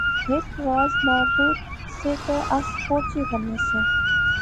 ہک واز مارنے سے تے اس پوچی غنے سیاں